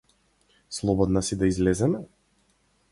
Слободна си да излеземе?